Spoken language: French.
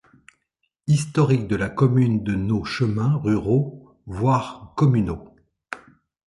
Historique de la commune de nos chemins ruraux, voir communaux.